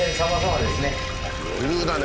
余裕だね